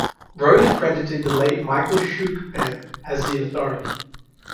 Rose credited the late Michael Schuck Bebb as the authority.